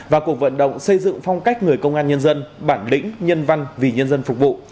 và cuộc vận động xây dựng phong cách người công an nhân dân bản lĩnh nhân văn vì nhân dân phục vụ